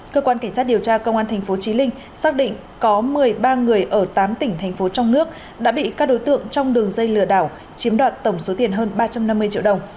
cơ quan cảnh sát điều tra công an tp chí linh xác định có một mươi ba người ở tám tỉnh thành phố trong nước đã bị các đối tượng trong đường dây lừa đảo chiếm đoạt tổng số tiền hơn ba trăm năm mươi triệu đồng